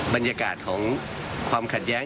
บรรยากาศของความขัดแย้ง